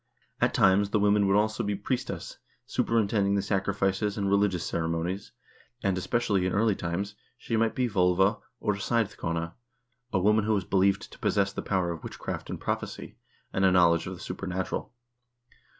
At times the woman would also be priestess, superintending the sacrifices and religious ceremonies, and, especially in early times, she might be VQlva or seidkona, a woman who was believed to possess the power of witchcraft and prophecy, and a knowledge of the supernatural.